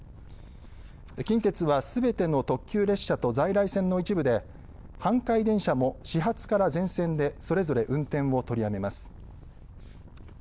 近鉄はすべての特急列車と在来線の一部で阪堺電車も始発から全線でそれぞれ運転を取りやめます。